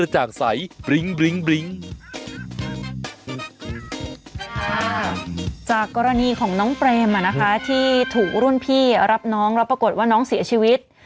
จากกรณีของน้องเปรมที่ถูกรุ่นพี่รับน้องแล้วปรากฏว่าน้องเสียชีวิต